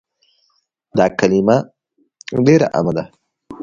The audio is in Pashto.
دا کلمه ډيره عامه ده